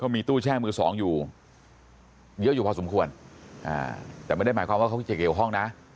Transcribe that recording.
มีตู้แช่มือสองอยู่เยอะอยู่พอสมควรแต่ไม่ได้หมายความว่าเขาจะเกี่ยวข้องนะ